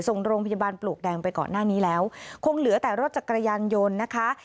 ส่งโรงพยาบาลปลวกแดงไปก่อนหน้านี้แล้วคงเหลือแต่รถจักรยานยนต์นะคะ